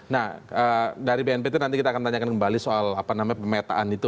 nah dari bnpt nanti kita akan tanyakan kembali soal apa namanya pemetaan itu